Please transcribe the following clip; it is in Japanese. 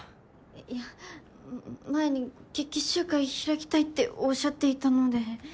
いや前に決起集会開きたいっておっしゃっていたので。